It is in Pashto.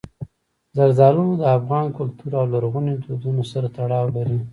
زردالو د افغان کلتور او لرغونو دودونو سره تړاو لري.